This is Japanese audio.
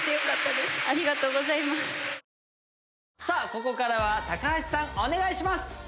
ここからは高橋さんお願いします